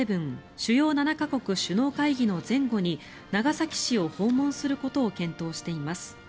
・主要７か国首脳会議の前後に長崎市を訪問することを検討しています。